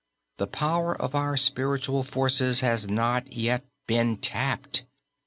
_The power of our spiritual forces has not yet been tapped!